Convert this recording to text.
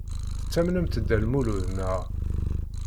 Tettamnemt Dda Lmulud, naɣ?